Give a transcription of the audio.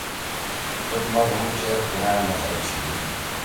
بدھ مت ہُم چیر پُرأن مذہب چھی۔